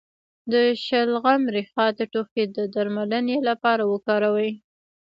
د شلغم ریښه د ټوخي د درملنې لپاره وکاروئ